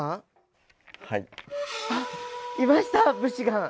いました武士が。